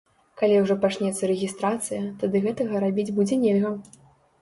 Калі ўжо пачнецца рэгістрацыя, тады гэтага рабіць будзе нельга.